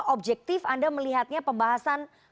objektif anda melihatnya pembahasan